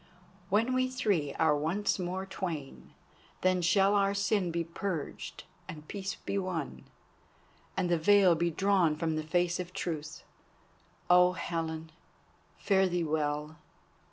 When we three are once more twain, then shall our sin be purged and peace be won, and the veil be drawn from the face of Truth. Oh, Helen, fare thee well!